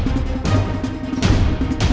jangan jangan jangan jangan